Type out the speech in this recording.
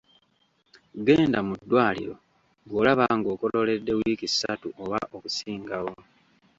Genda mu ddwaliro bw’olaba ng’okololedde wiiki ssatu oba okusingawo.